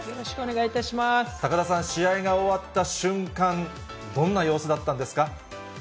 高田さん、試合が終わった瞬間、どんな様子だったんですか？